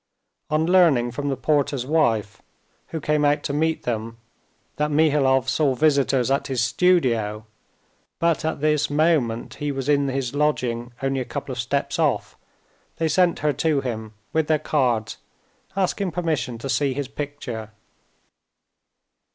On learning from the porter's wife, who came out to them, that Mihailov saw visitors at his studio, but that at that moment he was in his lodging only a couple of steps off, they sent her to him with their cards, asking permission to see his picture.